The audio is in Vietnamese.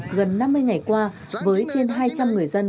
gần năm mươi ngày qua với trên hai trăm linh người dân